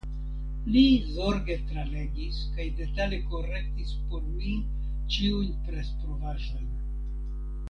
Li zorge tralegis kaj detale korektis por mi ĉiujn presprovaĵojn.